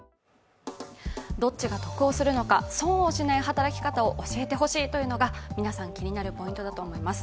どっちが得をするのか、損をしない働き方を教えてほしいというのが皆さん気になるポイントだと思います。